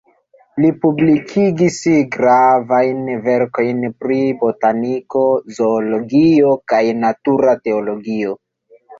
Li publikigis gravajn verkojn pri botaniko, zoologio, kaj natura teologio.